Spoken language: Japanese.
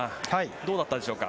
どうだったでしょうか。